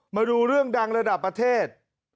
มาดูเรื่องดังระดับประเทศ